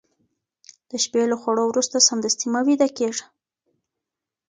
د شپې له خوړو وروسته سمدستي مه ويده کېږه